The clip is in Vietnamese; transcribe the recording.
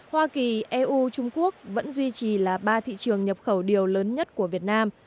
hoa kỳ eu trung quốc vẫn duy trì là ba thị trường nhập khẩu điều lớn nhất của việt nam